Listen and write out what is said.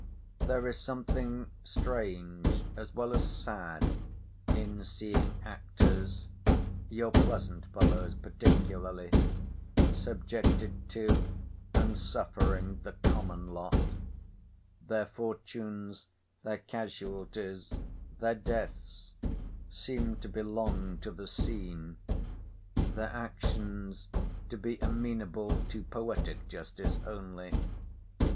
There is something strange as well as sad in seeing actors—your pleasant fellows particularly—subjected to and suffering the common lot—their fortunes, their casualties, their deaths, seem to belong to the scene, their actions to be amenable to poetic justice only.